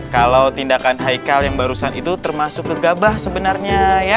kalau tindakan haikal yang barusan itu termasuk kegabah sebenarnya